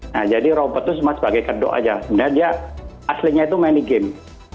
nah jadi robot itu cuma sebagai kedok aja sebenarnya dia aslinya itu main di game